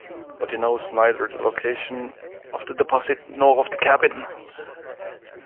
But he knows neither the location of the deposit nor of the cabin.